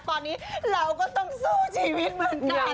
ตอนนี้เราก็ต้องสู้ชีวิตเหมือนกัน